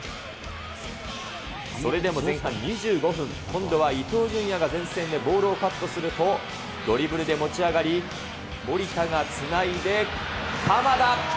それでも前半２５分、今度はいとうじゅんやが前線でボールをカットすると、ドリブルで持ち上がり、守田がつないで鎌田。